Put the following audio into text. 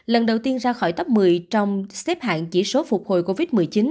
lần đầu tiên ra khỏi tấp một mươi trong xếp hạng chỉ số phục hồi covid một mươi chín